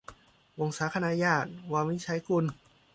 วงศาคณาญาติ - ว วินิจฉัยกุล